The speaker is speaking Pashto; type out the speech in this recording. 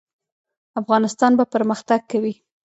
افغانستان به پرمختګ کوي؟